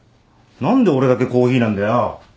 何で俺だけコーヒーなんだよ。